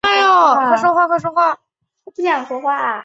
但摄政和首相一直施行专制统治。